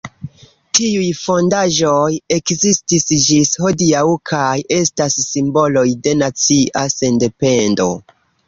Tiuj fondaĵoj ekzistis ĝis hodiaŭ kaj estas simboloj de nacia sendependo.